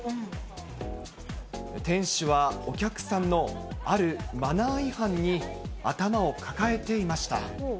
店主はお客さんのあるマナー違反に頭を抱えていました。